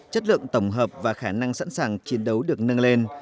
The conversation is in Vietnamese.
chất lượng tổng hợp và khả năng sẵn sàng chiến đấu được nâng lên